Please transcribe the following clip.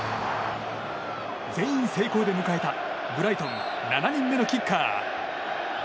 全員成功で迎えたブライトン７人目のキッカー。